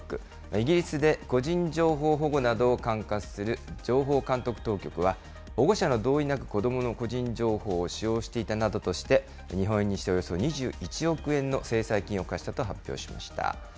イギリスで個人情報保護などを管轄する情報監督当局は、保護者の同意なく子どもの個人情報を使用していたなどとして、日本円にしておよそ２１億円の制裁金を科したと発表しました。